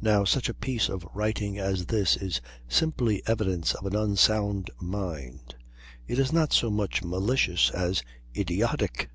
Now, such a piece of writing as this is simply evidence of an unsound mind; it is not so much malicious as idiotic.